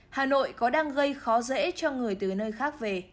hà nội có đang gây khó dễ cho người từ nơi khác về